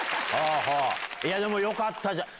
いや、でも、よかったじゃん。